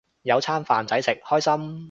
有餐飯仔食，開心